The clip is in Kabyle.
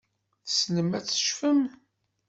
Tessnem ad tecfem?